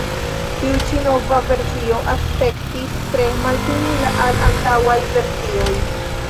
Tiu ĉi nova versio aspektis tre malsimila al antaŭaj versioj.